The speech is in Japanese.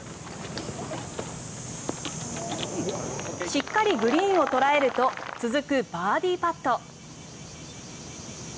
しっかりグリーンを捉えると続くバーディーパット。